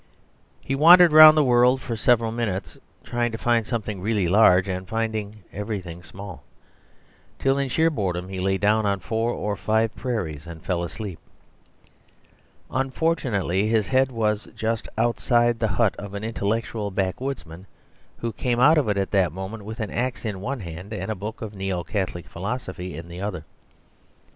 He wandered round the world for several minutes trying to find something really large and finding everything small, till in sheer boredom he lay down on four or five prairies and fell asleep. Unfortunately his head was just outside the hut of an intellectual backwoodsman who came out of it at that moment with an axe in one hand and a book of Neo Catholic Philosophy in the other.